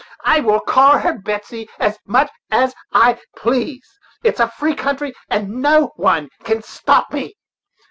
I will call her Betsey as much as I please; it's a free country, and no one can stop me.